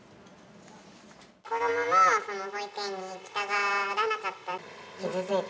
子どももその保育園に行きたがらなかった。